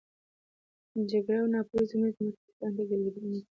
جګړه او ناپوهي زموږ د مطالعې فرهنګ ته ګډوډي رامنځته کړې.